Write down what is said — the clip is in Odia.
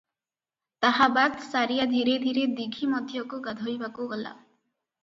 ତାହାବାଦ୍ ସାରିଆ ଧୀରେ ଧୀରେ ଦୀଘି ମଧ୍ୟକୁ ଗାଧୋଇବାକୁ ଗଲା ।